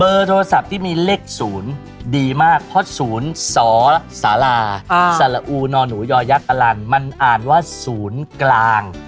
เบอร์โทรศัพท์ที่มีเลข๐ดีมากเพราะ๐สศสนยยมันอ่านว่า๐กลาง